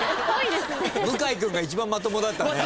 向井君が一番まともだったね。